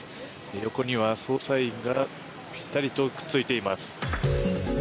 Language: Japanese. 横には捜査員がぴったりとくっついています。